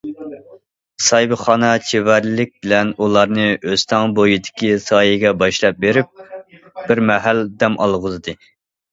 ساھىبخانا چېۋەرلىك بىلەن ئۇلارنى ئۆستەڭ بويىدىكى سايىگە باشلاپ بېرىپ، بىر مەھەل دەم ئالغۇزدى.